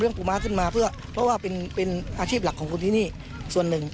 ปูม้าขึ้นมาเพื่อเพราะว่าเป็นเป็นอาชีพหลักของคนที่นี่ส่วนหนึ่ง